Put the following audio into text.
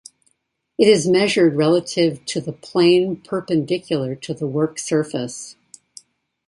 It is measured relative to the plane perpendicular to the work surface.